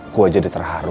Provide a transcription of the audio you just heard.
gue jadi terharu